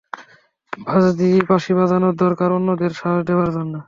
বাঁশি বাজানো দরকার অন্যদের সাহস দেবার জন্যে।